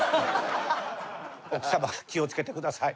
奥様気を付けてください。